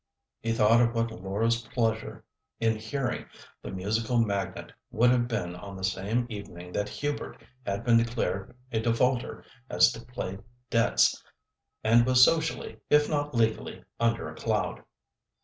He thought of what Laura's pleasure in hearing the musical magnate would have been on the same evening that Hubert had been declared a defaulter as to play debts, and was socially, if not legally, under a cloud.